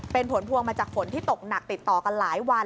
เป็นผลพวงมาจากฝนที่ตกหนักติดต่อกันหลายวัน